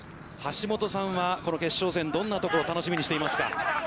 橋下さんはこの決勝戦、どんなところを楽しみにしていますか。